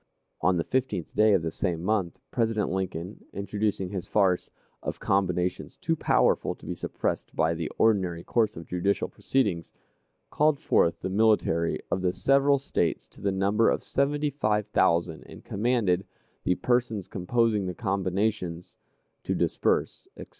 On the 15th day of the same month, President Lincoln, introducing his farce "of combinations too powerful to be suppressed by the ordinary course of judicial proceedings," called forth the military of the several States to the number of seventy five thousand, and commanded "the persons composing the combinations" to disperse, etc.